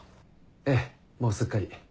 ええもうすっかり。